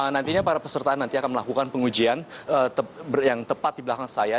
nantinya para peserta nanti akan melakukan pengujian yang tepat di belakang saya